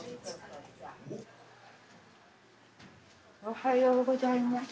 おはようございます。